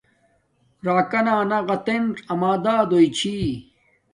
راکانا انا غتنڎ اما دادوݵ چھݵ